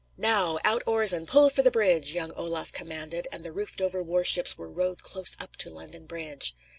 "Now, out oars and pull for the bridge," young Olaf commanded; and the roofed over war ships were rowed close up to London Bridge.